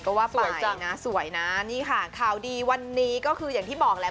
ก็ว่าปล่อยจริงนะสวยนะนี่ค่ะข่าวดีวันนี้ก็คืออย่างที่บอกแหละ